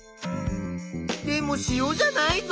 でも塩じゃないぞ。